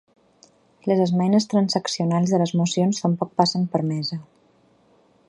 Les esmenes transaccionals de les mocions tampoc passen per mesa.